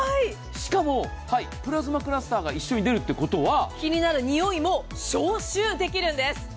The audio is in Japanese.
しかもプラズマクラスターが一緒に出るということは気になるにおいも消臭できるんです。